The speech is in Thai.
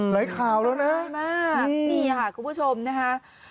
ไหลข่าวแล้วนะไหลมากนี่ค่ะคุณผู้ชมนะคะ